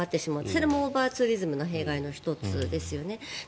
それもオーバーツーリズムの弊害の１つですよね。